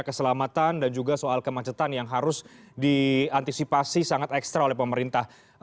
keselamatan dan juga soal kemacetan yang harus diantisipasi sangat ekstra oleh pemerintah